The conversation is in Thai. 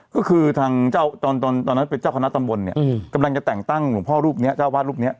ก็คือตอนที่จะไปเจ้าคณะตำบลเนี่ยกำลังจะแต่งตั้งหลวงพ่อรูปนี้รูปนี้